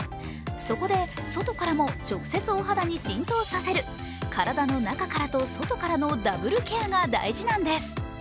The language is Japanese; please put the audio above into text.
そこで外からも直接お肌に浸透させる体の中からと外からのダブルケアが大事なんです。